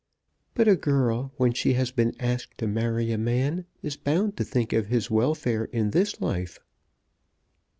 But a girl, when she has been asked to marry a man, is bound to think of his welfare in this life."